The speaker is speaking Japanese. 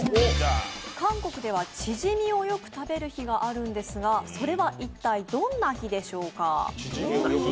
韓国ではチヂミをよく食べる日があるんですがそれは一体どんな日でしょうか。